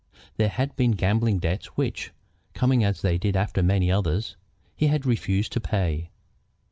There had been gambling debts which, coming as they did after many others, he had refused to pay.